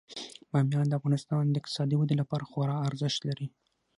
بامیان د افغانستان د اقتصادي ودې لپاره خورا ډیر ارزښت لري.